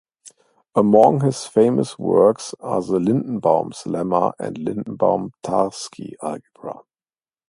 Among his most famous works are the Lindenbaum's lemma and Lindenbaum-Tarski algebra.